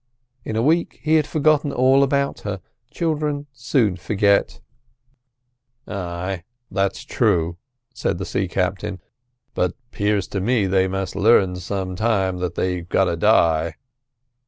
In a week he had forgotten all about her—children soon forget." "Ay, that's true," said the sea captain. "But 'pears to me they must learn some time they've got to die."